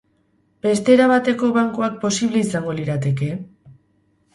Beste era bateko bankuak posible izango lirateke?